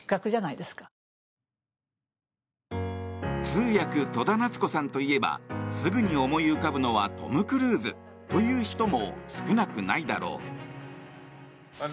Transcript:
通訳・戸田奈津子さんといえばすぐに思い浮かぶのはトム・クルーズという人も少なくないだろう。